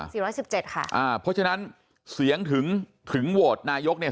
ร้อยสิบเจ็ดค่ะอ่าเพราะฉะนั้นเสียงถึงถึงโหวตนายกเนี่ย